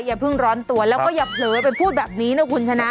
อย่าเพิ่งร้อนตัวแล้วก็อย่าเผลอไปพูดแบบนี้นะคุณชนะ